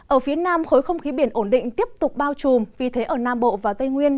ở phía nam khối không khí biển ổn định tiếp tục bao trùm vì thế ở nam bộ và tây nguyên